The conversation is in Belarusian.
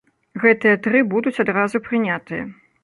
Гэтыя тры будуць адразу прынятыя.